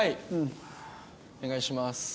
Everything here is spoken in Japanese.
お願いします。